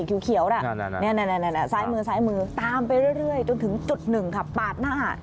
เนี่ยจะตามไปเรื่อยจนถึงจุดหนึ่งปาดหน้า